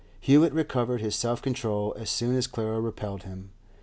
Hewett recovered his self control as soon as Clara repelled him.